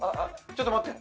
ちょっと待って！